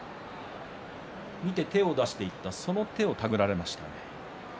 見て、手を出していったそれを手繰られましたね。